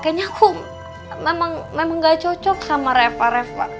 kayaknya aku memang gak cocok sama reva